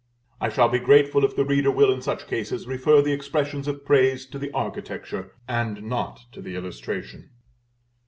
I shall be grateful if the reader will in such cases refer the expressions of praise to the Architecture, and not to the illustration.